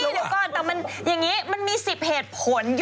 เดี๋ยวก่อนแต่มันอย่างนี้มันมี๑๐เหตุผล